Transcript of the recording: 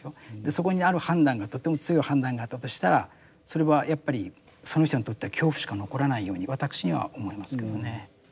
そこにある判断がとても強い判断があったとしたらそれはやっぱりその人にとっては恐怖しか残らないように私には思えますけどね。